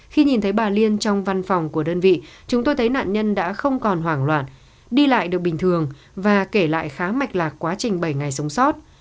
khi nhìn thấy bà liên trong văn phòng của đơn vị chúng tôi thấy nạn nhân đã không còn hoảng loạn đi lại được bình thường và kể lại khá mạch lạc quá trình bảy ngày sống sót